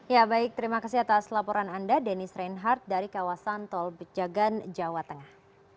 ya baik terima kasih atas laporan anda denis reinhardt dari kawasan tol bejagan jawa tengah